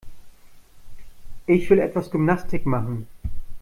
Ich will etwas Gymnastik machen.